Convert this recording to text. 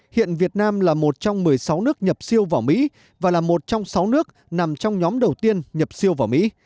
hiện việt nam là một trong một mươi sáu nước nhập siêu vào mỹ và là một trong sáu nước nằm trong nhóm đầu tiên nhập siêu vào mỹ